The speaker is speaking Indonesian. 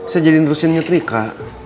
saya jadiin rusinnya trika